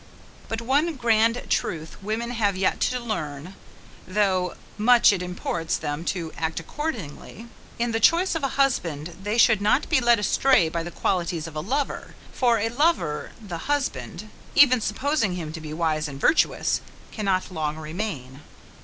But one grand truth women have yet to learn, though much it imports them to act accordingly. In the choice of a husband they should not be led astray by the qualities of a lover for a lover the husband, even supposing him to be wise and virtuous, cannot long remain.